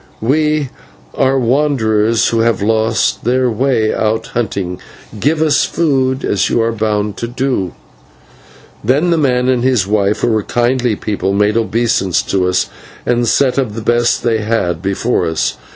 "We are wanderers who have lost our way out hunting. Give us food, as you are bound to do." Then the man and his wife, who were kindly people, made obeisance to us, and set of the best they had before us.